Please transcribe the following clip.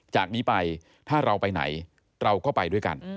จากนี้ไปถ้าเราไปไหนเราก็ไปด้วยกัน